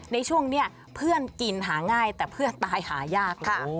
ในช่วงนี้เพื่อนกินหาง่ายแต่เพื่อนตายหายากเลย